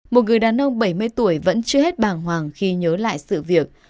một người đàn ông bảy mươi tuổi vẫn chưa hết bàng hoàng khi nhớ lại sự việc